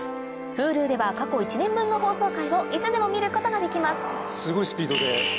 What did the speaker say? Ｈｕｌｕでは過去１年分の放送回をいつでも見ることができます